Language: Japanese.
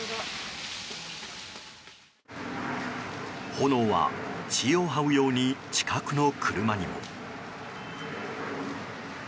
炎は地をはうように近くの車にも。